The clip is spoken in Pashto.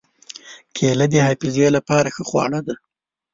کېله د حافظې له پاره ښه خواړه ده.